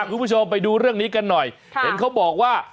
คุณผู้ชมไปดูเรื่องนี้กันหน่อยเห็นเขาบอกว่า